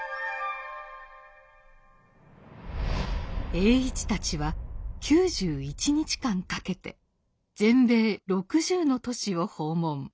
栄一たちは９１日間かけて全米６０の都市を訪問。